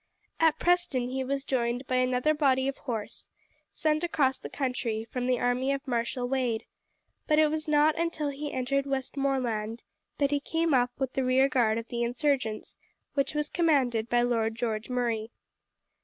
At Preston he was joined by another body of horse, sent across the country from the army of Marshal Wade; but it was not until he entered Westmoreland that he came up with the rear guard of the insurgents, which was commanded by Lord George Murray.